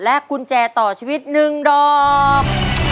กุญแจต่อชีวิต๑ดอก